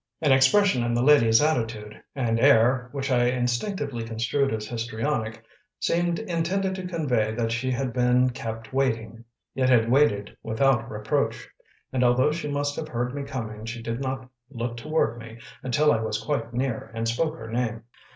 An expression in the lady's attitude, and air which I instinctively construed as histrionic, seemed intended to convey that she had been kept waiting, yet had waited without reproach; and although she must have heard me coming, she did not look toward me until I was quite near and spoke her name.